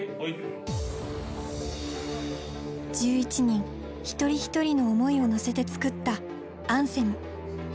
１１人一人一人の思いを乗せて作ったアンセム。